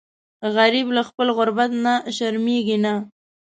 غریب له خپل غربت نه شرمیږي نه